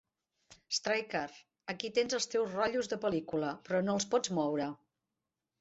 Straeker: aquí tens els teus rotllo de pel·lícula, però no els pots moure.